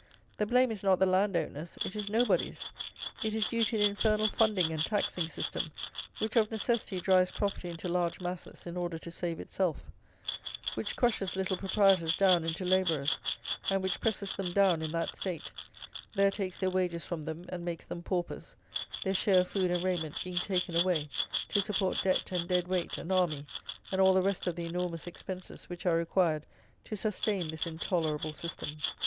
The blame is not the land owner's; it is nobody's; it is due to the infernal funding and taxing system, which of necessity drives property into large masses in order to save itself; which crushes little proprietors down into labourers; and which presses them down in that state, there takes their wages from them and makes them paupers, their share of food and raiment being taken away to support debt and dead weight and army and all the rest of the enormous expenses which are required to sustain this intolerable system.